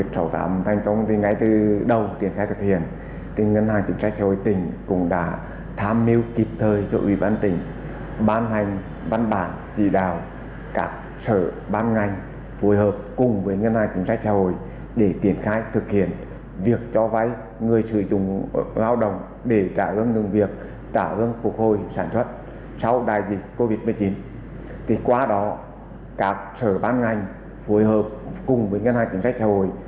sau đại dịch covid một mươi chín quá đó các sở bán ngành phù hợp cùng với ngân hàng chính sách xã hội